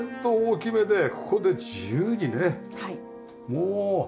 もう。